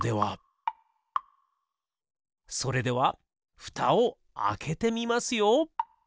それではふたをあけてみますよ。